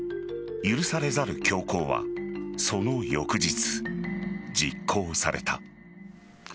許されざる凶行は、その翌日実行された。